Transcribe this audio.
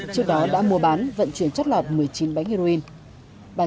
trước đó đã mua bán vận chuyển chất lọt một mươi chín bánh heroin